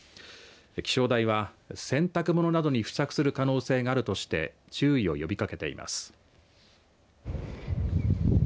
気象台は、洗濯物などに付着する可能性があるとして注意を呼びかけています。